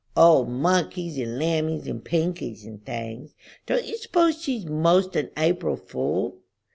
"O, monkeys, and lammies, and pinkies, and things. Don't you s'pose she's 'most an April fool?"